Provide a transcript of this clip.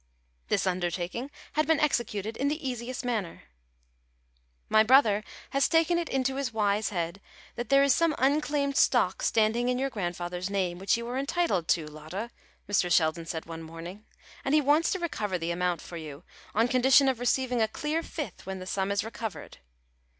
This undertaking had been executed in the easiest manner. "My brother has taken it into his wise head that there is some unclaimed stock standing in your grandfather's name which you are entitled to, Lotta," Mr. Sheldon said one morning; "and he wants to recover the amount for you, on condition of receiving a clear fifth when the sum is recovered.